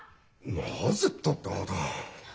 なぜったってあなた。